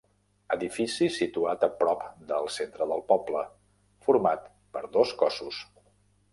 Edifici situat a prop del centre del poble, format per dos cossos.